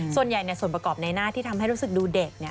ส่วนใหญ่ส่วนประกอบในหน้าที่ทำให้รู้สึกดูเด็ก